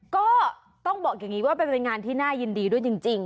ก็ต้องบอกอย่างนี้ว่าเป็นงานที่น่ายินดีด้วยจริง